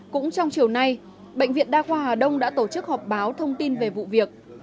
cũng trong chiều nay bệnh viện đa khoa hà đông đã tổ chức họp báo thông tin về vụ việc